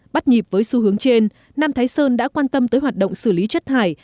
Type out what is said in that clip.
bắt nhịp với xu hướng trên nam thái sơn đã quan tâm tới hoạt động xử lý chất thải